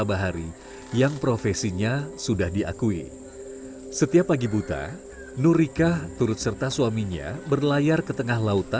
nurika menolak dikatakan sebagai buruh untuk suaminya sendiri